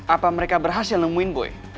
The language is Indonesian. apa mereka berhasil nemuin boy